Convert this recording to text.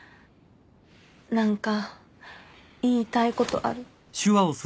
何か言いたいことある。